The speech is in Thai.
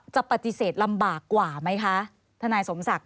จะปฏิเสธลำบากกว่าไหมคะทนายสมศักดิ